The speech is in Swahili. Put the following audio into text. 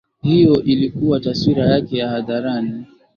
Hiyo ilikuwa taswira yake ya hadharani